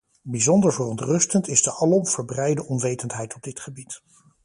Bijzonder verontrustend is de alom verbreide onwetendheid op dit gebied.